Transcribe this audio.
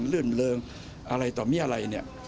ลื่นเริงอะไรต่อมีอะไรเนี่ย